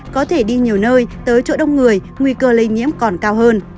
có thể đi nhiều nơi tới chỗ đông người nguy cơ lây nhiễm còn cao hơn